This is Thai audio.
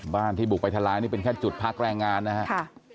ที่บุกไปทลายนี่เป็นแค่จุดพักแรงงานนะครับ